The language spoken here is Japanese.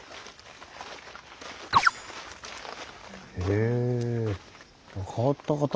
へえ。